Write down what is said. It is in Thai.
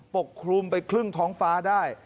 ปกคลุมไปครึ่งท้องฟ้าได้